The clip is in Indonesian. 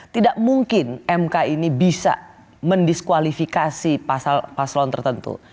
tidak mungkin mk ini bisa mendiskualifikasi paslon tertentu